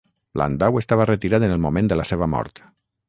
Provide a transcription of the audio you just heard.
Landau estava retirat en el moment de la seva mort.